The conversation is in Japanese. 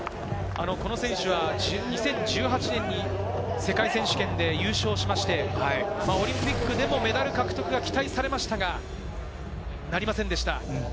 この選手は２０１８年に世界選手権で優勝しまして、オリンピックでもメダル獲得が期待されましたがなりませんでした。